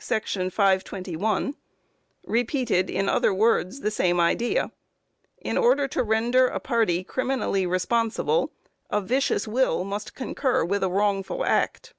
§521), repeated in other words, the same idea: "In order to render a party criminally responsible, a vicious will must concur with a wrongful act."